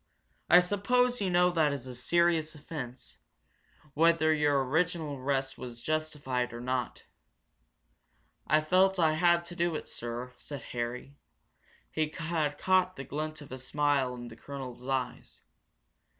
I suppose you know that is a serious offense, whether your original arrest was justified or not?" "I felt I had to do it, sir," said Harry. He had caught the glint of a smile in the colonel's eyes.